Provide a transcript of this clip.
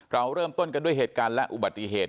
เราเริ่มต้นกันด้วยเหตุการณ์และอุบัติเหตุ